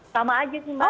sama aja sih mbak